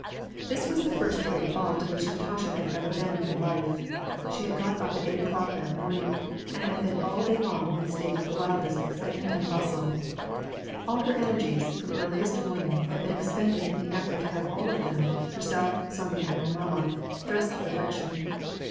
This was the first great ball to which Natasha had ever been in her life. She had got up at eight o'clock that morn ing, and had been all day long in a state of the wildest excite ment and bustle. All her energies, from earliest morning, had been expended in the effort to have all of them — herself, Sonya, and her mamma — dressed to perfection.